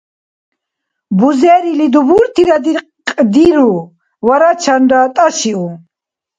Бузерили дубуртира диркьдиру варачанра тӀашиу.